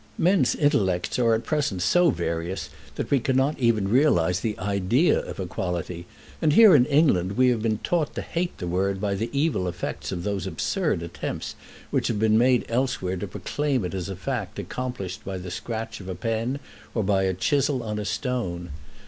Men's intellects are at present so various that we cannot even realise the idea of equality, and here in England we have been taught to hate the word by the evil effects of those absurd attempts which have been made elsewhere to proclaim it as a fact accomplished by the scratch of a pen or by a chisel on a stone.